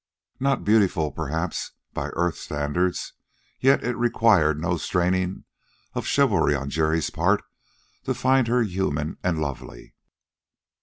Not beautiful, perhaps, by earth standards, yet it required no straining of chivalry on Jerry's part to find her human and lovely.